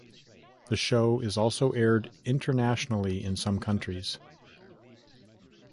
The show is also aired internationally in some countries.